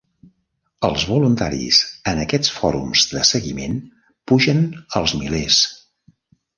Els voluntaris en aquests "fòrums de seguiment" pugen als milers.